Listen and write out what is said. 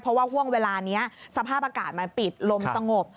เพราะว่าห่วงเวลานี้สภาพอากาศมันปิดลมสงบ